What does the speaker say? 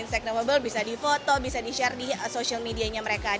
instagramable bisa dipoto bisa dishare di social medianya mereka